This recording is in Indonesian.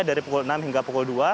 dari pukul enam hingga pukul dua